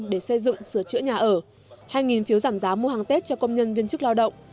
để xây dựng sửa chữa nhà ở hai phiếu giảm giá mua hàng tết cho công nhân viên chức lao động